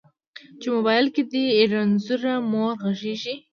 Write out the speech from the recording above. چې موبایل کې دې رنځوره مور غږیږي